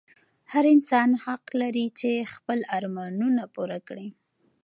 هر انسان حق لري چې خپل ارمانونه پوره کړي.